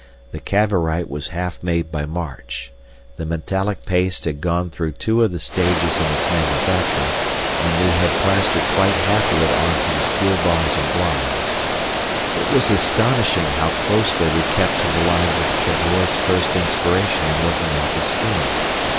The Cavorite was half made by March, the metallic paste had gone through two of the stages in its manufacture, and we had plastered quite half of it on to the steel bars and blinds. It was astonishing how closely we kept to the lines of Cavor's first inspiration in working out the scheme.